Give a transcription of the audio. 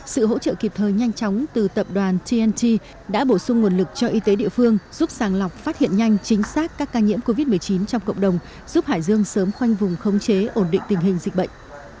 sự hỗ trợ kịp thời nhanh chóng từ tập đoàn tnt đã bổ sung nguồn lực cho y tế địa phương giúp sàng lọc phát hiện nhanh chính xác các ca nhiễm covid một mươi chín trong cộng đồng giúp hải dương sớm khoanh vùng khống chế ổn định tình hình dịch bệnh